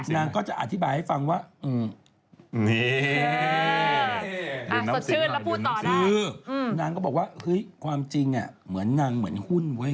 นางก็จะอธิบายให้ฟังว่านี่นางก็บอกว่าเฮ้ยความจริงเหมือนนางเหมือนหุ้นเว้ย